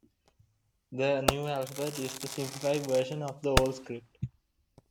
The new alphabet is a simplified version of the old script.